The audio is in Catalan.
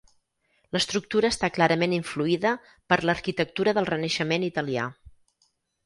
L'estructura està clarament influïda per l'arquitectura del Renaixement italià.